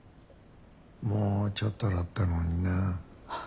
もうちょっとだったのにな。